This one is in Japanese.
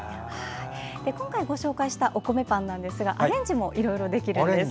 今回ご紹介したお米パンアレンジもいろいろできるんです。